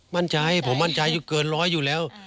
มั่นใจผมมั่นใจอยู่เกินร้อยอยู่แล้ว